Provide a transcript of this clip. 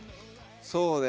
そうね